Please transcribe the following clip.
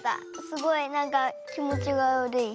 すごいなんかきもちがわるい。